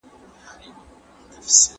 او هر څوک د افغانستان په نوم یاد کړي.